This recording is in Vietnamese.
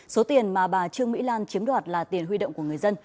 số tiền mà bà trương mỹ lan chiếm đoạt là tiền huy động của người dân